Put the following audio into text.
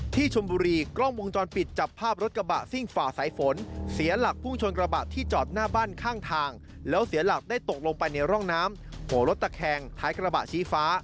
ที่ชมบุรีกล้องวงจรปิดจับภาพรถกระบะสิ้งฝ่าสายฝน